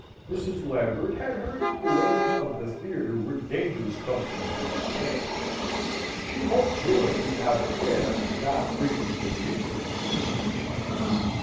Mrs. Lambert had heard that the ladies of the theatre were dangerous company for young men. She hoped George would have a care, and not frequent the greenroom too much.